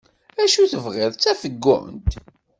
Acu tebɣiḍ d tafeggunt?